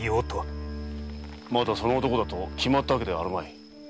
まだその男だと決まったわけではあるまい。